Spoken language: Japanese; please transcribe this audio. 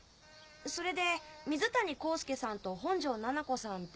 それで水谷浩介さんと本上ななこさんって。